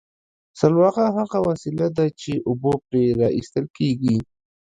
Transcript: سلواغه هغه وسیله ده چې اوبه پرې را ایستل کیږي